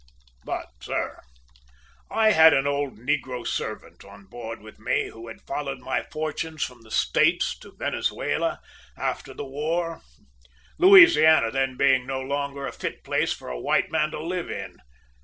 "But, sir, I had an old negro servant on board with me, who had followed my fortunes from the States to Venezuela after the war, Louisiana then being no longer a fit place for a white man to live in.